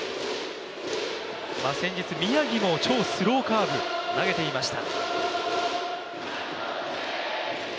先日宮城も超スローカーブ投げていました。